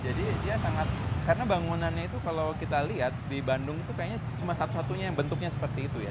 jadi ya sangat karena bangunannya itu kalau kita lihat di bandung itu kayaknya cuma satu satunya yang bentuknya seperti itu ya